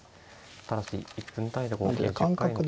ただし１分単位で。